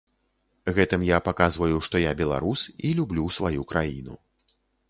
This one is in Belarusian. Гэтым я паказваю, што я беларус і люблю сваю краіну.